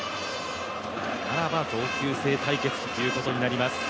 同級生対決ということになります